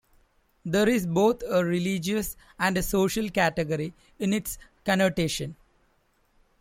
There is both a religious and a social category in its connotation.